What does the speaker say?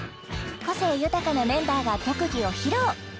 個性豊かなメンバーが特技を披露！